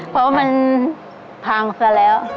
เพราะมันพังซะแล้ว